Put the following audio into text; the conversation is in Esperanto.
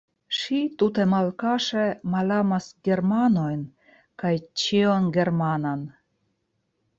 Ŝi tute malkaŝe malamas germanojn kaj ĉion germanan.